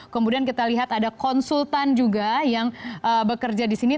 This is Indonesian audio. kemudian kita lihat ada konsultan juga yang bekerja di sini